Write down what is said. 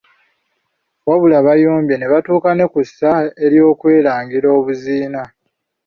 Wabula bayombye ne batuuka ne kussa ery’okwerangira obuziina.